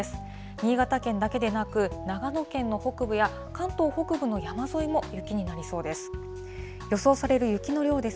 新潟県だけでなく、長野県の北部や、関東北部の山沿いも雪になりそうです。